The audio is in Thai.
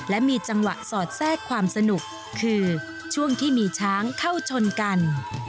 และมีจังหวะสอดแทรกความสนุกคือช่วงที่มีช้างเข้าชนกัน